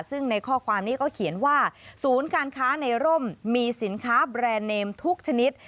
ซึ่งในข้อความนี้ก็เขียนว่าศูนย์การค้าในร่มมีสินค้าแบรนด์เนมทุกชนิด